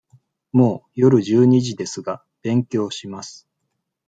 もう夜十二時ですが、勉強します。